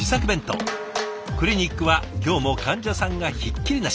クリニックは今日も患者さんがひっきりなし。